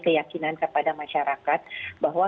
keyakinan kepada masyarakat bahwa